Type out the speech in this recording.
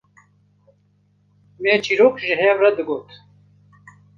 me çîrok ji hev re digot